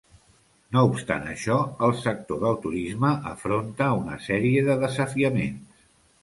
No obstant això, el sector del turisme afronta una sèrie de desafiaments.